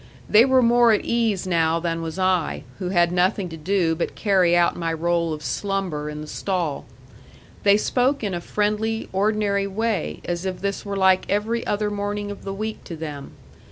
They were more at ease now than was I, who had nothing to do but carry out my role of slumber in the stall; they spoke in a friendly, ordinary way, as if this were like every other morning of the week to them.